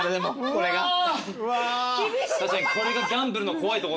これがギャンブルの怖いとこ。